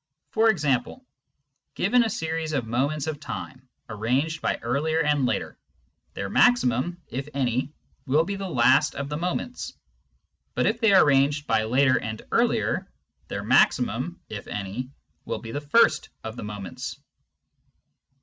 For example, given a series of moments of time arranged by earlier and later, their " maximum " (if any) will be the last of the moments ; but if they are arranged by later and earlier, their " maximum " (if any) will be the first of the moments.